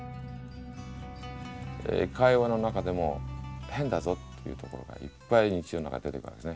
会話の中でも変だぞっていうところがいっぱい日常の中で出てくるわけですね。